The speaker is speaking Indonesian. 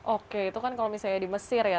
oke itu kan kalau misalnya di mesir ya